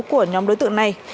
của nhóm đối tượng này